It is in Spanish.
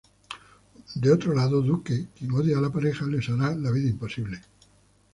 Por otro lado, Duque, quien odia a la pareja, les hará la vida imposible.